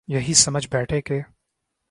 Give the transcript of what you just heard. یہی سمجھ بیٹھے کہ